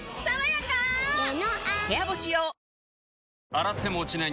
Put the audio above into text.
洗っても落ちない